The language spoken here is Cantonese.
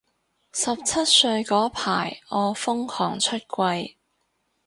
十七歲嗰排我瘋狂出櫃